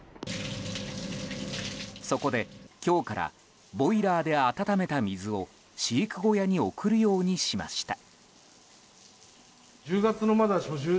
そこで、今日からボイラーで温めた水を飼育小屋に送るようにしました。